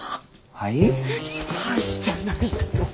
「はい？」じゃないだろ